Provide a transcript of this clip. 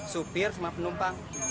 supir sama penumpang